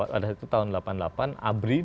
waktu itu tahun delapan puluh delapan abrid